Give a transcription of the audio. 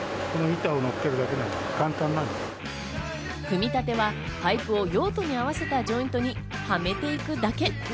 組み立てはパイプを用途に合わせたジョイントにはめていくだけ。